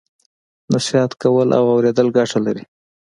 نصیحت کول او اوریدل ګټه لري.